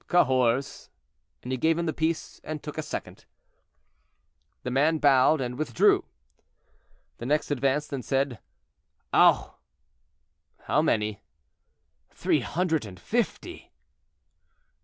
"Cahors;" and he gave him the piece and took a second. The man bowed and withdrew. The next advanced and said, "Auch." "How many?" "Three hundred and fifty."